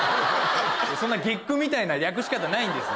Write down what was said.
そんな月９みたいな略し方ないんですよ。